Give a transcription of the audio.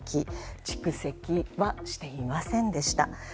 蓄積はしていませんでした。